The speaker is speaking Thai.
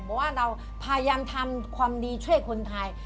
เพราะว่าเราพยายามทำความดีช่วยคนไทย